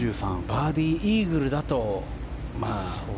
バーディー、イーグルだとまあ。